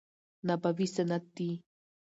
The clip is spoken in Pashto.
نبوي سنت دي.